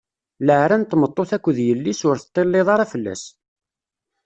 Leɛra n tmeṭṭut akked yelli-s, ur teṭṭiliḍ ara fell-as.